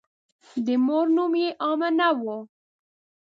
د مور نوم یې آمنه وه.